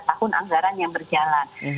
tahun anggaran yang berjalan